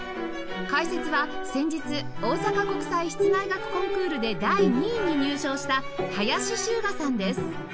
解説は先日大阪国際室内楽コンクールで第２位に入賞した林周雅さんです